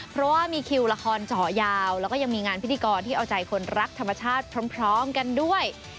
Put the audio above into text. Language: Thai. เพราะว่ามีคิวละครเจาะยาวแล้วก็ยังมีงานพิธีกรที่เอาใจคนรักธรรมชาติพร้อมกันด้วย